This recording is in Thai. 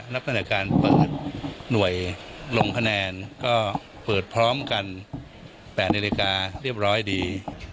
ลงคะแนนก็เปิดพร้อมกัน๘นิลิการ์เรียบร้อยดี